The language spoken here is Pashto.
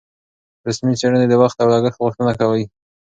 رسمي څېړنې د وخت او لګښت غوښتنه کوي.